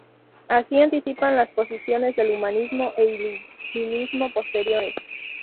Así anticipan las posiciones del humanismo e iluminismo posteriores.